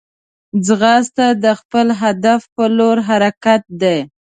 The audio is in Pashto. ځغاسته د خپل هدف پر لور حرکت دی